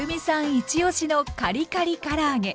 イチオシのカリカリから揚げ。